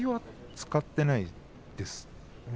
使ってないですね